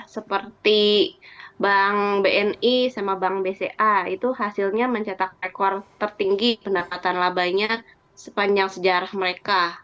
seperti bank bni sama bank bca itu hasilnya mencetak rekor tertinggi pendapatan labanya sepanjang sejarah mereka